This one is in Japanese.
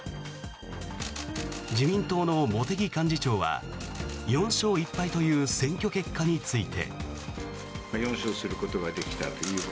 自民党の茂木幹事長は４勝１敗という選挙結果について。